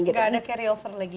gak ada carry over lagi